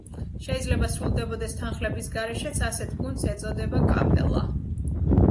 შეიძლება სრულდებოდეს თანხლების გარეშეც; ასეთ გუნდს ეწოდება კაპელა.